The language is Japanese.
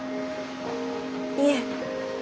いえ。